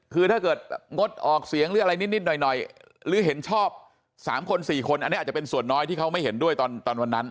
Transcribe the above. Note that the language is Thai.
คือถ้าเกิดงดออกเสียงหรืออะไรนิดหน่อยหรือเห็นชอบ๓คน๔คนอันนี้อาจจะเป็นส่วนน้อยที่เขาไม่เห็นด้วยตอนวันนั้น